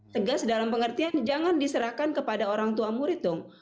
tegas dalam pengertian jangan diserahkan kepada orang tua murid dong